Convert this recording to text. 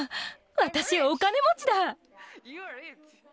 私、お金持ちだ！